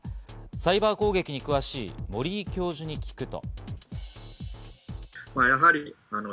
サイバー攻撃に詳しい森井教授に聞くと。